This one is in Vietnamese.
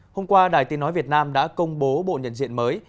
hôm qua đài tiếng nói việt nam đã công bố bộ nhận diện mới